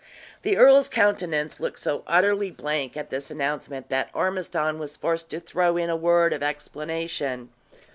The earl's countenance looked so utterly blank at this announcement, that Ormiston was forced to throw in a word of explanation.